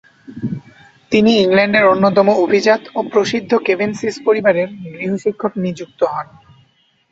তিনি ইংল্যান্ডের অন্যতম অভিজাত ও প্রসিদ্ধ কেভেনসিস পরিবারের গৃহশিক্ষক নিযুক্ত হন।